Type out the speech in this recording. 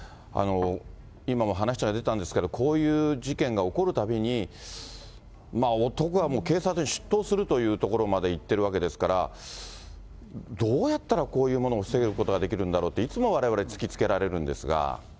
今も話が出たんですけど、こういう事件が起こるたびに、男が警察に出頭するというところまでいってるわけですから、どうやったらこういうものを防ぐことができるんだろうって、いつもわれわれ、突きつけられるんですが。